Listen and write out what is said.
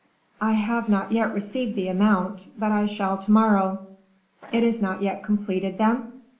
"I have not yet received the amount, but I shall to morrow." "It is not yet completed, then?"